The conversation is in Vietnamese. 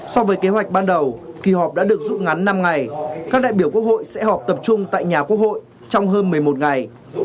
so với kế hoạch ban đầu kỳ họp đã được rút ngắn năm ngày các đại biểu quốc hội sẽ họp tập trung tại nhà quốc hội trong hơn một mươi một ngày